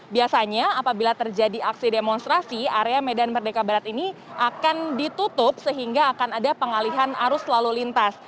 biasanya apabila terjadi aksi demonstrasi area medan merdeka barat ini akan ditutup sehingga akan ada pengalihan arus lalu lintas